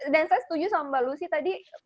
dan saya setuju sama mbak lucy tadi